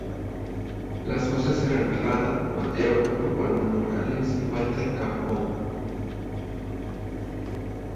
Las voces eran Rada, Mateo, Urbano Moraes y Walter Cambón.